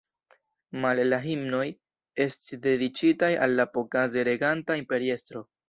Male la himnoj estis dediĉitaj al la pokaze reganta imperiestro.